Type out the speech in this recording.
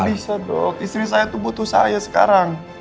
gak bisa dok istri saya tuh butuh saya sekarang